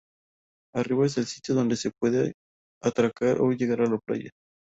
Arribar es el sitio donde se puede atracar o llegar a la playa.